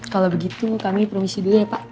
kalau begitu kami promisi dulu ya pak